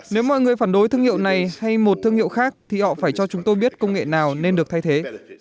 nếu mọi người phản đối thương hiệu này hay một thương hiệu khác thì họ phải cho chúng tôi biết công nghệ nào nên được thay thế